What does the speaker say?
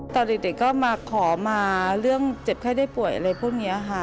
ตอนเด็กก็มาขอมาเรื่องเจ็บไข้ได้ป่วยอะไรพวกนี้ค่ะ